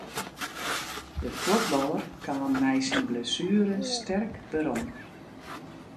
De fuotballer kaam nei syn blessuere sterk werom.